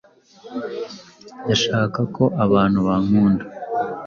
Ndashaka ko abantu bankunda.